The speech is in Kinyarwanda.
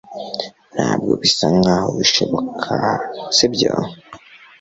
Ntabwo bisa nkaho bishoboka sibyo